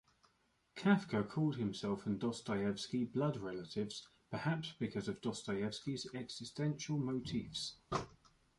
Kafka called himself and Dostoyevsky "blood relatives", perhaps because of Dostoyevsky's existential motifs.